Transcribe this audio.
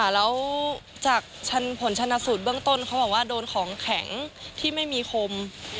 แล้วจากผลชนสูตรเบื้องต้นเขาบอกว่าโดนของแข็งที่ไม่มีคม